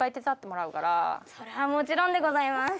それはもちろんでございます！